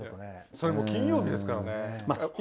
それも金曜日ですからね。